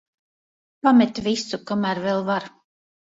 Pamet visu, kamēr vēl var.